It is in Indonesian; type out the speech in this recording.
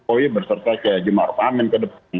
oh iya berserta saya jum'at amin ke depan